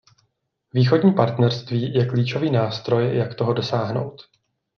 Východní partnerství je klíčový nástroj, jak toho dosáhnout.